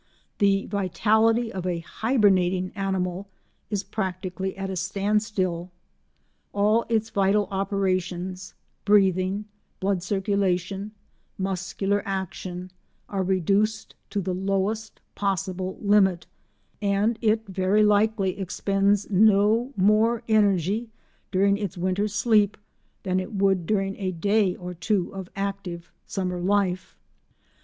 The vitality of a hibernating animal is practically at a standstill; all its vital operations—breathing, blood circulation, muscular action—are reduced to the lowest possible limit, and it very likely expends no more energy during its winter sleep than it would during a day or two of active summer life.